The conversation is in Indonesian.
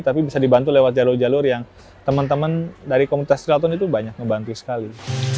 tapi bisa dibantu lewat jalur jalur yang teman teman dari komunitas triathon itu banyak ngebantu sekali